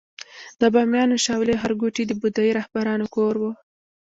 د بامیانو شاولې ښارګوټي د بودايي راهبانو کور و